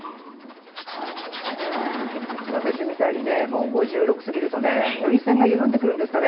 私みたいに５６を過ぎると涙腺が緩んでくるんですかね